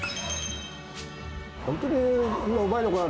本当にうまいのかな？